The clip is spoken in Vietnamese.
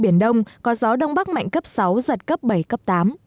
biển đông có gió đông bắc mạnh cấp sáu giật cấp bảy cấp tám